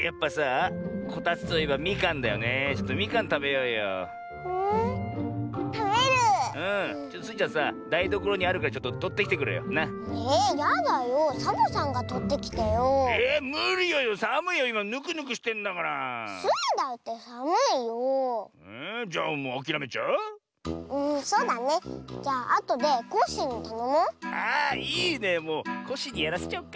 あいいねもうコッシーにやらせちゃおっか。